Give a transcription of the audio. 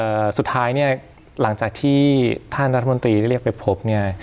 เอ่อสุดท้ายเนี่ยหลังจากที่ท่านรัฐมนตรีเรียกปรีบโพฟเนี่ย